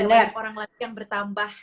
semoga tidak ada orang lagi yang bertambah